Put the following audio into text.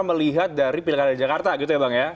melihat dari pilkada jakarta gitu ya bang ya